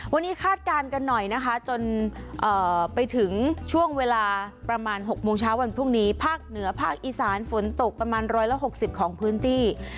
วันนี้คาดการณ์กันหน่อยนะคะจนไปถึงช่วงเวลาประมาณ๖โมงเช้าวันพรุ่งนี้ภาคเหนือภาคอีสานฝนตกประมาณ๑๖๐ของพื้นที่